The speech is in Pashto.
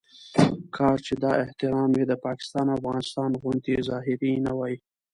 کاش چې دا احترام یې د پاکستان او افغانستان غوندې ظاهري نه وي.